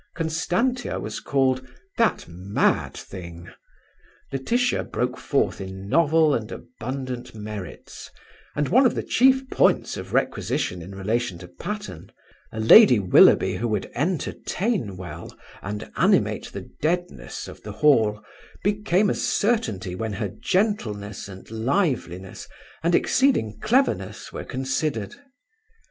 Constantia was called "that mad thing". Laetitia broke forth in novel and abundant merits; and one of the chief points of requisition in relation to Patterne a Lady Willoughby who would entertain well and animate the deadness of the Hall, became a certainty when her gentleness and liveliness and exceeding cleverness were considered.